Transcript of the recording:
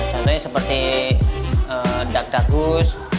contohnya seperti dark dark goose